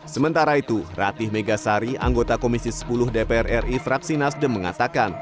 sementara itu ratih megasari anggota komisi sepuluh dpr ri fraksi nasdem mengatakan